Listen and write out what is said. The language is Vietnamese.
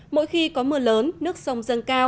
mỗi khi có mưa lớn nước sông dâng cao